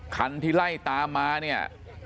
คันที่ไล่ตามมาเนี่ย